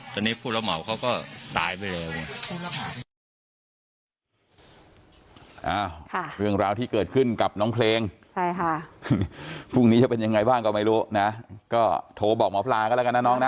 ตอนนี้ผู้รับเหมาเขาก็ตายไปเลย